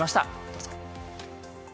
どうぞ。